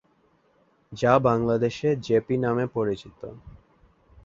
যা বাংলাদেশে জেপি নামে পরিচিত।